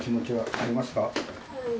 あります。